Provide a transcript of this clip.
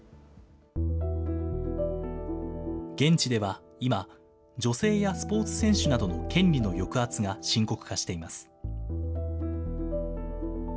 現地では今、女性やスポーツ選手などの権利の抑圧が深刻化しています。